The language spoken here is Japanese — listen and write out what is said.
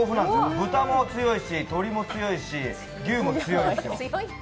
豚も強いし、鶏も強いし、牛も強いし。